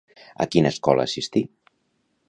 A quina escola assistí?